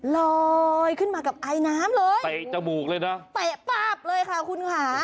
ลอยขึ้นมากับไอน้ำเลยเตะจมูกเลยนะเตะป๊าบเลยค่ะคุณค่ะ